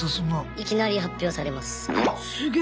いきなり発表されます。